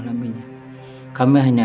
sampai ricky dan rina